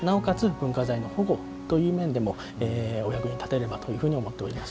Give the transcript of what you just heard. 文化財の保護という面でもお役に立てればと思っています。